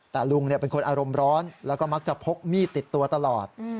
แต่ลุงเป็นคนอารมณ์ร้อนแล้วก็มักจะพกมีดติดตัวตลอด